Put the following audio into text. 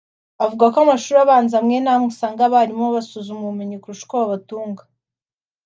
avuga ko mu mashuri abanza amwe n’amwe usanga abarimu basuzuma ubumenyi kurusha uko babutanga